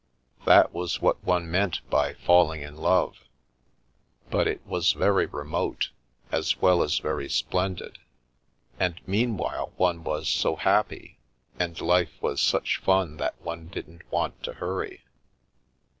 That was what one meant by ' falling in love.' But it was very remote, as well as very splendid, and meanwhile one was so happy and life was such fun that one didn't want to hurry."